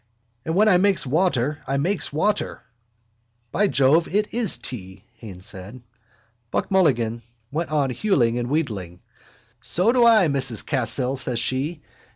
And when I makes water I makes water. —By Jove, it is tea, Haines said. Buck Mulligan went on hewing and wheedling: —So I do, Mrs Cahill, says she.